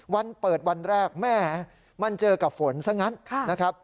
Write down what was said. วันเปิดวันแรกแม่มันเจอกับฝนซะงั้นนะครับ